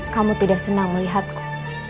kamu tidak senang melihatku